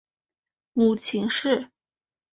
母秦氏。